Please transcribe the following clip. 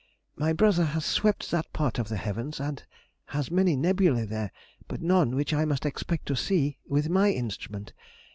My brother has swept that part of the heavens, and has many nebulæ there, but none which I must expect to see with my instrument.